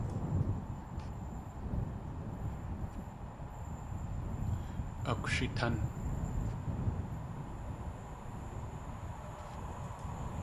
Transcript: Akwshitán.